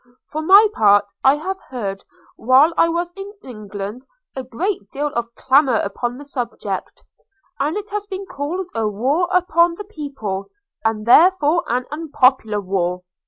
For my part, I have heard while I was in England a great deal of clamour upon the subject; and it has been called a war upon the people, and therefore an unpopular war.